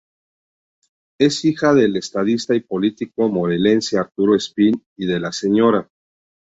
Es hija del estadista y político morelense Arturo Espín y de la Sra.